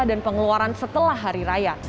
dan pengeluaran setelah hari raya